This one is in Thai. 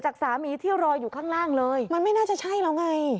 จากสามีที่รออยู่ข้างล่างเลยมันไม่น่าจะใช่แล้วไง